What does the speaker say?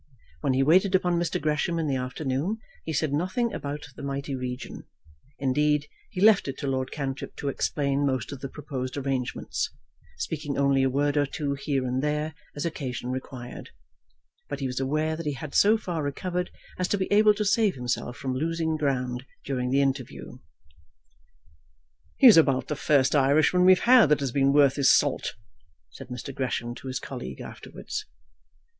When he waited upon Mr. Gresham in the afternoon he said nothing about the mighty region; indeed, he left it to Lord Cantrip to explain most of the proposed arrangements, speaking only a word or two here and there as occasion required. But he was aware that he had so far recovered as to be able to save himself from losing ground during the interview. "He's about the first Irishman we've had that has been worth his salt," said Mr. Gresham to his colleague afterwards.